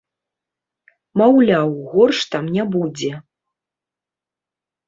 Маўляў, горш там не будзе.